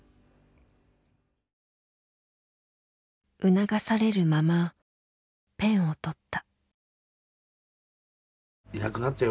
促されるままペンをとった。